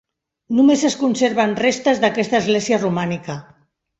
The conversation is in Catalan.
Només es conserven restes, d'aquesta església romànica.